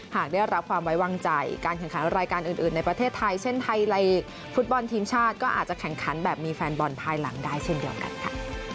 หากได้รับความไว้วางใจการแข่งขันรายการอื่นในประเทศไทยเช่นไทยลีกฟุตบอลทีมชาติก็อาจจะแข่งขันแบบมีแฟนบอลภายหลังได้เช่นเดียวกันค่ะ